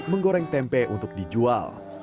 menggoreng tempe untuk dijual